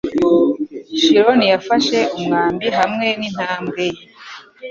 Chiron yafashe umwambi hamwe n'intambwe ye